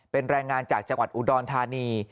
เป็นแรงงานจากจังหวัดอุดรธานี